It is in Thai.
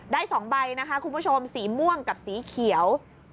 ๒ใบนะคะคุณผู้ชมสีม่วงกับสีเขียว